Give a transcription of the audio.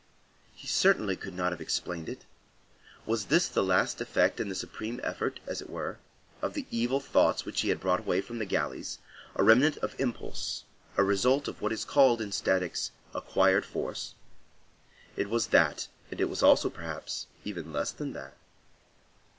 He certainly could not have explained it; was this the last effect and the supreme effort, as it were, of the evil thoughts which he had brought away from the galleys,—a remnant of impulse, a result of what is called in statics, acquired force? It was that, and it was also, perhaps, even less than that.